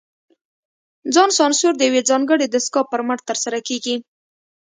ځان سانسور د یوې ځانګړې دستګاه پر مټ ترسره کېږي.